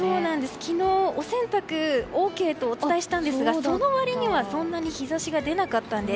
昨日、お洗濯ＯＫとお伝えしたんですがその割にはそんなに日差しが出なかったんです。